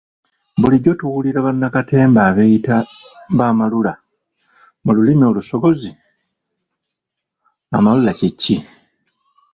Bulijjo tuwulira bannakatemba abeeyita ba ‘amalula’ mu lulimi olusogozi amalula kye ki?